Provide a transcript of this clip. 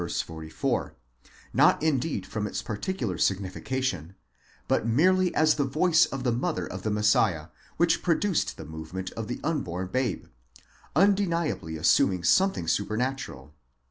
44), not indeed from its particular significa tion, but merely as the voice of the mother of the Messiah, which produced the movement of the unborn babe: undeniably assuming something super natural.